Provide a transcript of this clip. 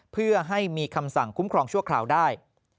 เพื่อให้มีคำสั่งคุ้มครองชั่วคราวได้